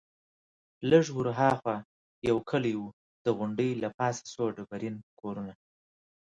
لږ ورهاخوا یو کلی وو، د غونډۍ له پاسه څو ډبرین کورونه.